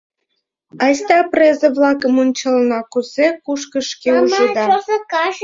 Айста презе-влакым ончалына, кузе кушкыж шке ужыда.